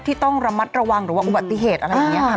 ที่ต้องระมัดระวังหรือว่าอุบัติเหตุอะไรอย่างนี้ค่ะ